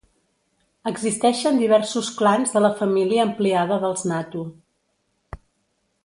Existeixen diversos clans de la família ampliada dels Natu.